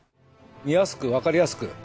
見やすくわかりやすく。